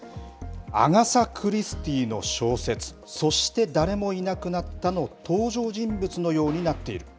アガサ・クリスティの小説、そして誰もいなくなったの登場人物のようになっている。